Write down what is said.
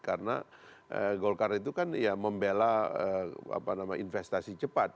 karena golkar itu kan ya membela apa namanya investasi cepat